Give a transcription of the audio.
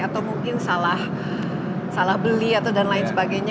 atau mungkin salah beli atau dan lain sebagainya